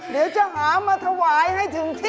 เดี๋ยวจะหามาถวายให้ถึงที่